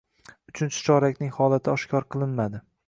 Uchinchi chorakning holati oshkor qilinmadi